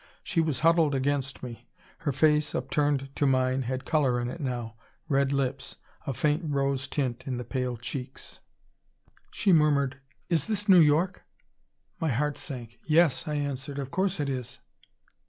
She was huddled against me. Her face, upturned to mine, had color in it now; red lips; a faint rose tint in the pale cheeks. She murmured, "Is this New York?" My heart sank. "Yes," I answered. "Of course it is."